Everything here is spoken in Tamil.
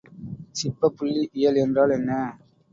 சிப்பப் புள்ளி இயல் என்றால் என்ன?